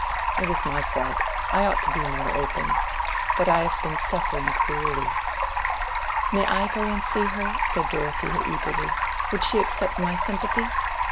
It is my fault; I ought to be more open. But I have been suffering cruelly." "May I go and see her?" said Dorothea, eagerly. "Would she accept my sympathy?